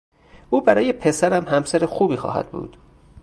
او برای پسرم همسر خوبی خواهد بود.